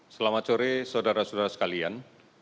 selamat sore saudara saudara sekalian